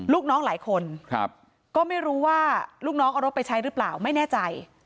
ลูกน้องหลายคนก็ไม่รู้ว่าลูกน้องเอารถไปใช้หรือเปล่าไม่แน่ใจ